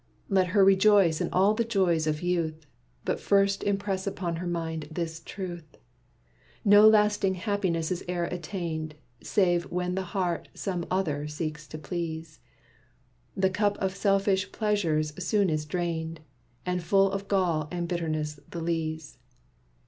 Let her rejoice in all the joys of youth, But first impress upon her mind this truth: No lasting happiness is e'er attained Save when the heart some other seeks to please. The cup of selfish pleasures soon is drained, And full of gall and bitterness the lees.